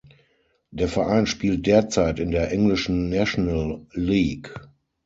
Der Verein spielt derzeit in der englischen National League.